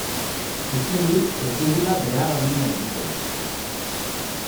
Uste dut ez dugula behar adina egiten.